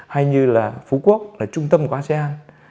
hay như là phú quốc là trung tâm của asean